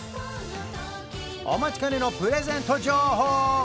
お待ちかねのプレゼント情報